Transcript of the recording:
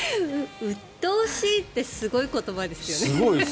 うっとうしいってすごい言葉ですよね。